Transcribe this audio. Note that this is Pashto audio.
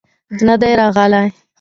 نه دى راغلى.